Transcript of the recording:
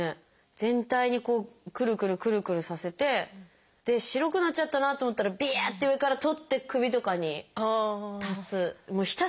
全体にこうクルクルクルクルさせて白くなっちゃったなと思ったらビャって上から取って首とかに足す。